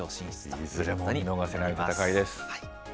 いずれも見逃せない戦いです。